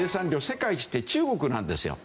世界一って中国なんですよ。